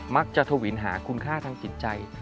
มักจะถวินหาคุณค่าทางจิตใจ